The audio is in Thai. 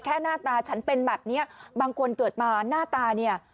หน้าตาฉันเป็นแบบนี้บางคนเกิดมาหน้าตาเนี่ย